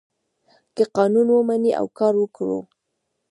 که قانون ومني او کار وکړي.